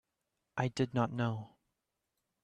I did not know.